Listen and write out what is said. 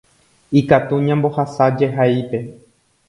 ikatu ñambohasa jehaípe.